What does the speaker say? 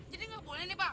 jadi gak boleh nih pak